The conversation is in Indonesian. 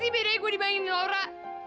apa sih bedanya gua dibangunin laura